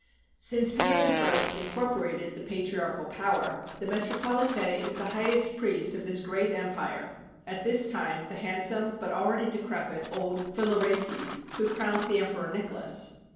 Since Peter I incorporated the patriarchal power, the metropolite is the highest priest of this great empire, at this time the handsome but already decrepit old Phila retes, who crowned the Emperor Nicholas.